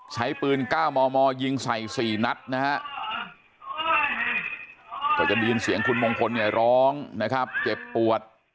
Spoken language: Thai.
ใช้ปืน๙มมยิงใส่๔นัดนะฮะก็จะได้ยินเสียงคุณมงคลเนี่ยร้องนะครับเจ็บปวด